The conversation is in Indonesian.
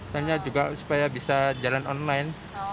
hanya juga supaya bisa jalan online